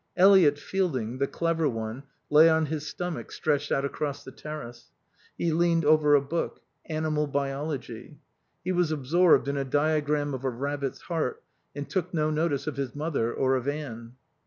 Eliot Fielding (the clever one) lay on his stomach, stretched out across the terrace. He leaned over a book: Animal Biology. He was absorbed in a diagram of a rabbit's heart and took no notice of his mother or of Anne.